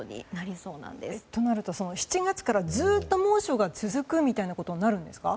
そうなると７月からずっと猛暑が続くみたいなことになるんですか？